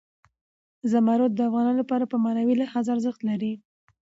زمرد د افغانانو لپاره په معنوي لحاظ ارزښت لري.